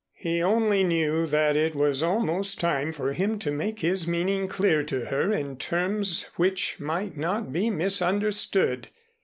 He only knew that it was almost time for him to make his meaning clear to her in terms which might not be misunderstood.